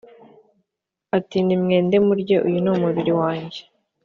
ati Nimwende murye uyu ni umubiri wanjye